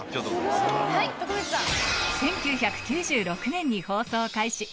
１９９６年に放送開始